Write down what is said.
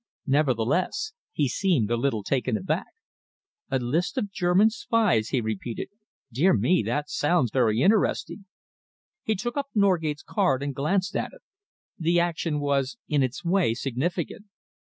Nevertheless, he seemed a little taken aback. "A list of German spies?" he repeated. "Dear me, that sounds very interesting!" He took up Norgate's card and glanced at it. The action was, in its way, significant.